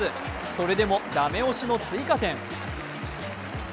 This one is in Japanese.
それでもだめ押しの追加点。